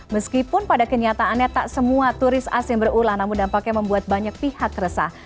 meskipun pada kenyataannya tak semua turis asing berulang namun dampaknya membuat banyak pihak resah